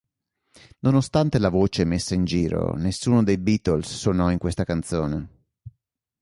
Nonostante la voce messa in giro, nessuno dei Beatles suonò in questa canzone.